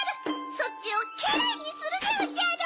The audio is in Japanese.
そちをけらいにするでおじゃる。